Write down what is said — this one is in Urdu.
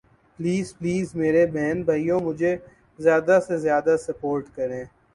پلیز پلیز میرے بہن بھائیوں مجھے زیادہ سے زیادہ سپورٹ کریں